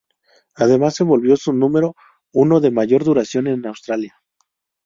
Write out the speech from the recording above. Además, se volvió su número uno de mayor duración en Australia.